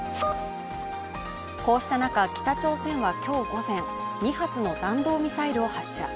こうした中、北朝鮮は今日午前、２発の弾道ミサイルを発射。